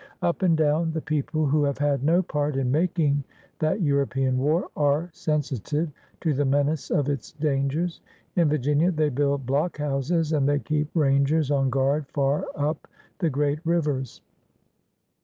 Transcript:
Up and down, the people, who have ALEXANDER SPOTSWOOD 817 had no part in making that European war, are sensitive to the menace of its dangers. In Vir* ginia they build blockhouses and th^ keep rangers on guard far up the great rivers.